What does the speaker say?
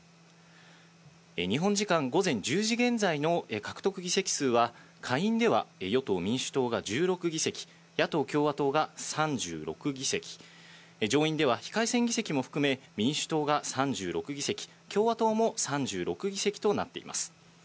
日本時間午前１０時現在の獲得議席数は下院では与党・民主党が１６議席、野党・共和党が３６議席、上院では非改選議席も含め、民主党が３６議席、共和党も３６議席となっています。